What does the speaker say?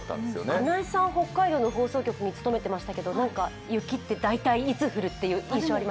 金井さん、北海道の放送局に勤めてらっしゃいましたけど雪って、大体いつ降るって印象、あります？